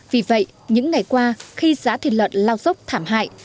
vì vậy những ngày qua khi giá thịt lợn lao dốc thảm hại